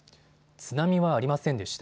津波はありませんでした。